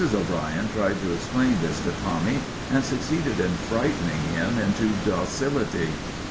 O'Brien tried to explain this to Tommy, and suc ceeded in frightening him into docility.